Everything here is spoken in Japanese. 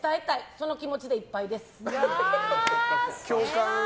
その気持ちでいっぱいです。